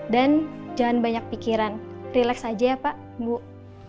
dan jangan banyak pikiran relax aja ya pak